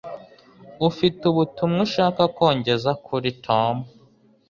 Ufite ubutumwa ushaka ko ngeza kuri Tom?